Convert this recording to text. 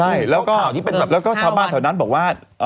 คุยข้าวที่เป็นแบบ๕วันแล้วก็ชาวบ้านแถวนั้นบอกว่า